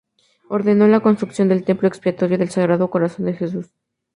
Ordenó la construcción del Templo Expiatorio del Sagrado Corazón de Jesús.